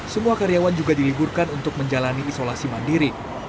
semua karyawan juga diliburkan untuk menjalani isolasi mandiri